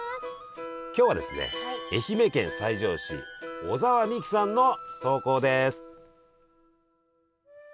今日はですね愛媛県西条市小澤未樹さんの投稿です。